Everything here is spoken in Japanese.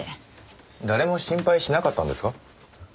誰も心配しなかったんですか？